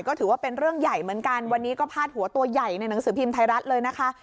ก็ถือว่าเป็นเรื่องใหญ่เหมือนกันวันนี้ก็พาดหัวตัวใหญ่ในหนังสือพิมพ์ไทยรัฐเลยนะคะ